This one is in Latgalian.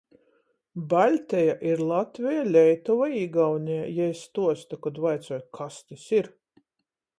"Baļteja ir Latveja, Leitova i Igauneja," jei stuosta, kod vaicoju, kas tys ir.